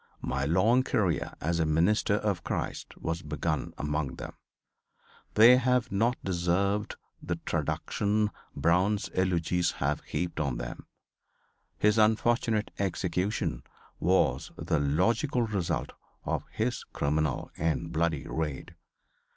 My long career, as a minister of Christ, was begun among them. They have not deserved the traduction Brown's eulogists have heaped on them. His unfortunate execution was the logical result of his criminal and bloody raid.